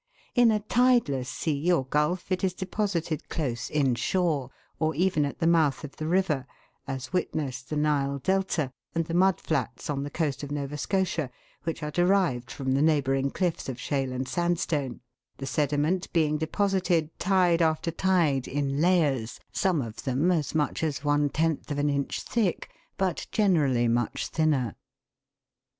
In a tideless sea or gulf it is deposited close in shore, or even at the mouth of the river, as witness the Nile delta, and the mud flats on the coast of Nova Scotia, which are derived from the neighbouring cliffs of shale and sandstone, the sediment being deposited tide after tide in layers, some of them as much as one tenth of an inch thick, but generally much thinner.